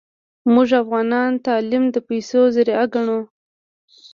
موږ افغانان تعلیم د پیسو ذریعه ګڼو